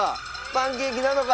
パンケーキなのか？